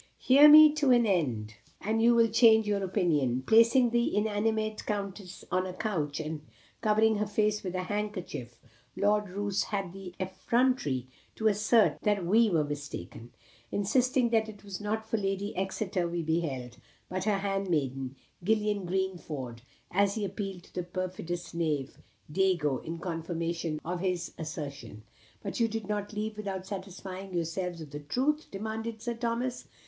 "Hear me to an end, and you will change your opinion. Placing the inanimate Countess on a couch, and covering her face with a handkerchief, Lord Roos had the effrontery to assert that we were mistaken; insisting that it was not Lady Exeter we beheld but her hand maiden, Gillian Greenford; and he appealed to the perfidious knave, Diego, in confirmation of his assertion." "But you did not leave without satisfying yourselves of the truth?" demanded Sir Thomas.